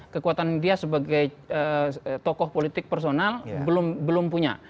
kekuatan dia sebagai tokoh politik personal belum punya